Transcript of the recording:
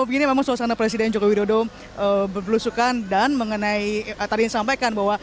ini memang suasana presiden jokowi dodo berbelusukan dan mengenai tadi yang disampaikan bahwa